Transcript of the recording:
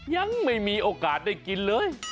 ยังไม่มีโอกาสได้กินเลย